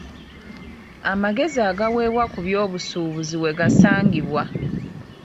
Amagezi agaweebwa ku by'obusuubuzi we gasangibwa.